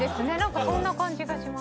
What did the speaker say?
そんな感じがします。